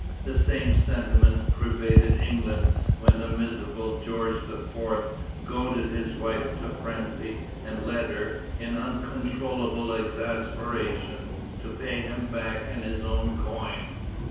The same sentiment pervaded England when the miserable George IV. goaded his wife to frenzy, and led her, in uncontrollable exasperation, to pay him back in his own coin.